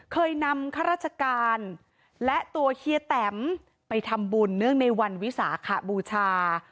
เคยนำข้าราชการและตัวเฮียแตมไปทำบุญเนื่องในวันวิสาขบูชา